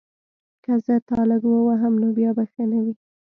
که زه تا لږ ووهم نو بیا به ښه نه وي